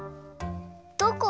どこ？